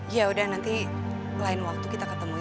yaudah nanti lain waktu kita ketemu ya